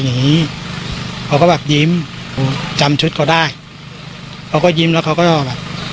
อย่างงี้เขาก็แบบยิ้มจำชุดเขาได้เขาก็ยิ้มแล้วเขาก็แบบ